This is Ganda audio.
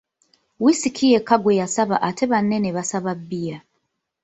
Whisky yekka gwe yasaba ate banne nebasaba bbiya.